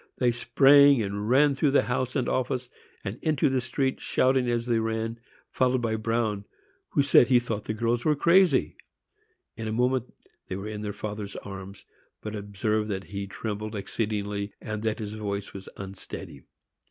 They sprang and ran through the house and the office, and into the street, shouting as they ran, followed by Bruin, who said he thought the girls were crazy. In a moment they were in their father's arms, but observed that he trembled exceedingly, and that his voice was unsteady.